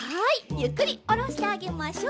ゆっくりおろしてあげましょう。